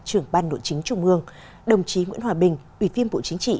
trưởng ban nội chính trung ương đồng chí nguyễn hòa bình ủy viên bộ chính trị